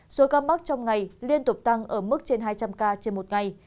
số ca mắc trong ngày liên tục tăng ở mức trên hai trăm linh ca trên một ngày